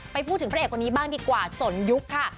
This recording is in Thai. พูดถึงพระเอกคนนี้บ้างดีกว่าสนยุคค่ะ